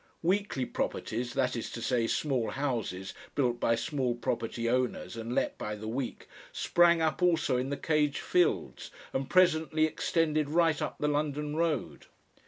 Weekly properties, that is to say small houses built by small property owners and let by the week, sprang up also in the Cage Fields, and presently extended right up the London Road.